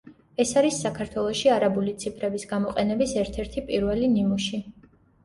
ეს არის საქართველოში არაბული ციფრების გამოყენების ერთ-ერთი პირველი ნიმუში.